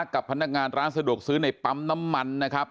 กับพนักงานร้านสะดวกซื้อในปั๊มน้ำมันนะครับ